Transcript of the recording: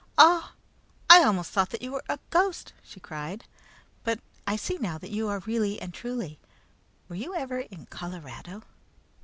"Oh! I almost thought that you were a ghost!" she cried. "But I see now that you are really and truly. Were you ever in Colorado?"